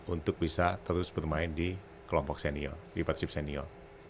untuk bisa terus bermain di kelompok senior di persib senior